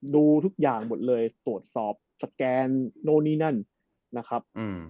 ดูทุกอย่างหมดเลยตรวจสอบสแกนโน้นนี่นั่นนะครับ